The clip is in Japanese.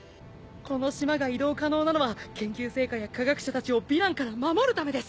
この島が移動可能なのは研究成果や科学者たちをヴィランから守るためです。